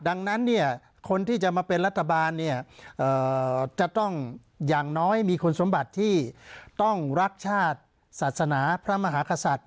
ดังนั้นคนที่จะมาเป็นรัฐบาลจะต้องอย่างน้อยมีคุณสมบัติที่ต้องรักชาติศาสนาพระมหากษัตริย์